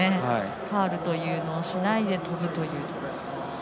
ファウルというのをしないで跳ぶというのが。